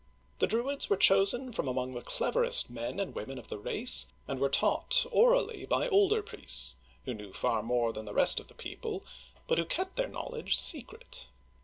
The Druids were chosen from among the cleverest men and women of the race, and were taught orally by older priests, who knew far more than the rest of the people, but who kept their knowledge secret.